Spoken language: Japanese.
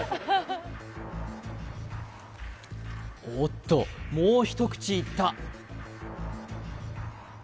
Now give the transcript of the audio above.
おっともう一口いった